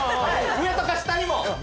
上とか下にもはい！